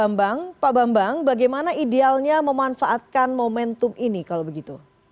bambang pak bambang bagaimana idealnya memanfaatkan momentum ini kalau begitu